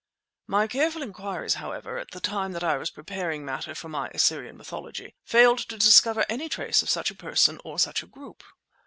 My careful inquiries, however, at the time that I was preparing matter for my "Assyrian Mythology," failed to discover any trace of such a person or such a group.